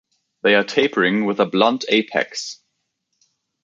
They are tapering with a blunt apex.